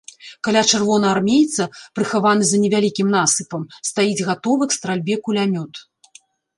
Каля чырвонаармейца, прыхаваны за невялікім насыпам, стаіць гатовы к стральбе кулямёт.